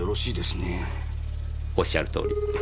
おっしゃるとおり。